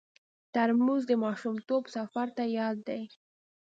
ترموز د ماشومتوب سفر ته یاد دی.